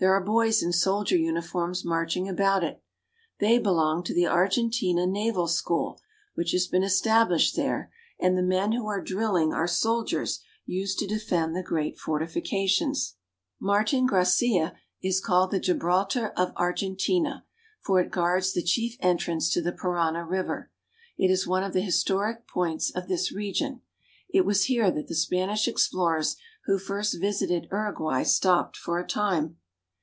There are boys in soldier uniforms marching*about it. They belong to the Argen tina Naval School, which has been established there, and the men who are drilling are soldiers used to defend the HEART OF SOUTH AMERICA. 211 p reat fortifications. Martin Gracia is called the Gibraltar o of Argentina, for it guards the chief entrance to the Parana river. It is one of the historic points of this region. It was here that the Spanish explorers who first visited Uruguay stopped for a time.